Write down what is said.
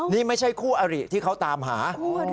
นี่ไม่ใช่คู่อริที่เขาตามหา